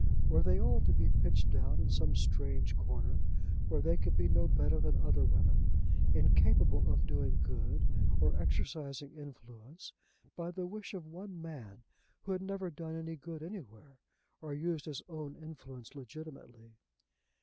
Were they all to be pitched down in some strange corner, where they would be no better than other women, incapable of doing good or exercising influence, by the wish of one man who had never done any good anywhere, or used his own influence legitimately?